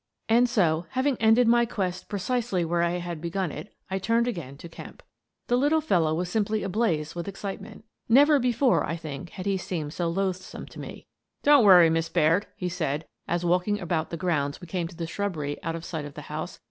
And so, having ended my quest precisely where I had begun it, I turned again to Kemp. The little fellow was simply ablaze with excite ment Never before, I think, had he seemed so loathsome to me. U4 Miss Frances Baird, Detective " Don't worry, Miss Baird," he said, as, walking about the grounds, we came to the shrubbery out of sight of the house.